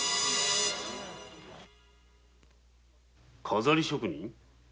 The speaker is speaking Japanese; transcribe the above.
飾り職人？